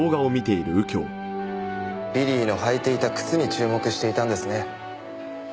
ビリーの履いていた靴に注目していたんですね。